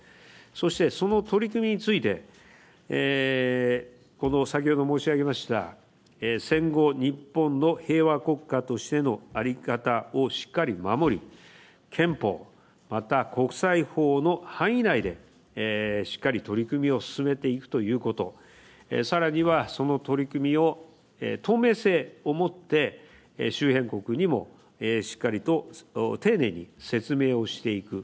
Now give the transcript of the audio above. そして、その取り組みについて先ほど申し上げました戦後日本の平和国家としてのあり方をしっかり守り憲法、また国際法の範囲内でしっかり取り組みを進めていくということさらには、その取り組みを透明性をもって周辺国にもしっかりと丁寧に説明をしていく。